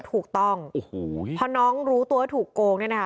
ถูกต้องพอน้องรู้ตัวถูกโกงเนี่ยนะคะ